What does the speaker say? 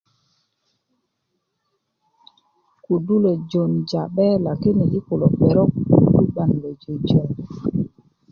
kudu lo jon ja'be lakini i kulo perok kudu 'ban lo jojon